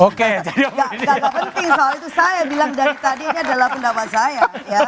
gak gak penting soal itu saya bilang dari tadinya adalah pendapat saya